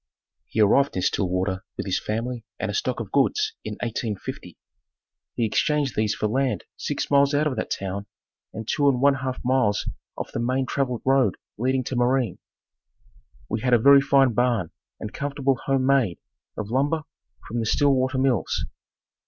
He arrived in Stillwater with his family and a stock of goods in 1850. He exchanged these for land six miles out of that town and two and one half miles off the main traveled road leading to Marine. We had a very fine barn and comfortable home made of lumber from the Stillwater Mills.